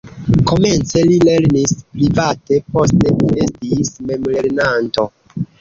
Komence li lernis private, poste li estis memlernanto.